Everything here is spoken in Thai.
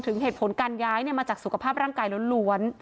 เหตุผลการย้ายมาจากสุขภาพร่างกายล้วน